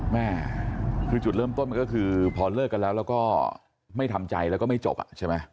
แม่คือจุดเริ่มต้นมันก็คือพอเลิกกันแล้วแล้วก็ไม่ทำใจแล้วก็ไม่จบอ่ะใช่ไหม